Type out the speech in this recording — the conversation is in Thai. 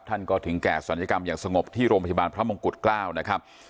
ท่านก็ถึงแก่ศัลยกรรมอย่างสงบที่โรงพยาบาลพระมงกุฎเกล้านะครับ